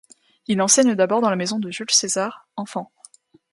Il enseigne d'abord dans la maison de Jules César enfant.